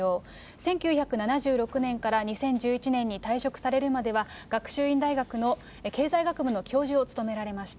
１９７６年から２０１１年に退職されるまでは学習院大学の経済学部の教授を務められました。